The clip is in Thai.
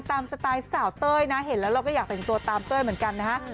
สไตล์สาวเต้ยนะเห็นแล้วเราก็อยากแต่งตัวตามเต้ยเหมือนกันนะฮะ